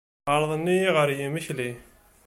Ɛerḍen-iyi ɣer yimekli.